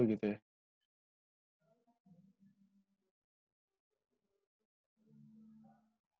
kalau menurut lu gitu ya